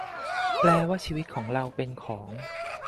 แปลว่าชีวิตเราเป็นของ ?